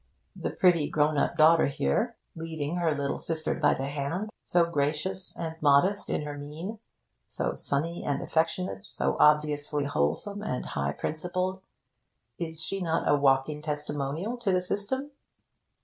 The pretty grown up daughter here, leading her little sister by the hand, so gracious and modest in her mien, so sunny and affectionate, so obviously wholesome and high principled is she not a walking testimonial to the system?